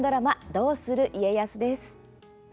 「どうする家康」です。